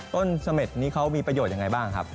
ต้นสเมษนี่เขามีประโยชน์อย่างไรบ้างครับ